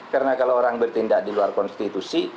karena kalau orang bertindak di luar konstitusi